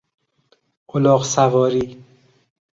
الاغ سواری